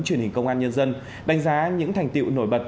truyền hình công an nhân dân đánh giá những thành tiệu nổi bật